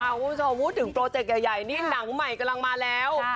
คุณผู้ชมพูดถึงโปรเจกต์ใหญ่นี่หนังใหม่กำลังมาแล้ว